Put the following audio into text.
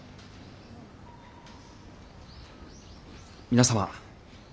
皆様。